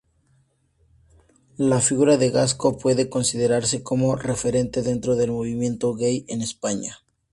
La figura de Gasco puede considerarse como referente dentro del movimiento gay en España.